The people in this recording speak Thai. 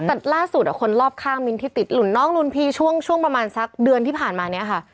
แต่ล่าสุดคนรอบข้างมิ้นที่ติดหลุ่นน้องหลุนพีช่วงประมาณสักเดือนที่ผ่านมาเนี่ยค่ะ